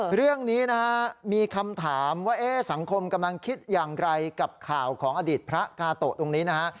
เรื่องนี้นะฮะมีคำถามว่าสังคมกำลังคิดอย่างไรกับข่าวของอดีตพระกาโตะตรงนี้นะฮะ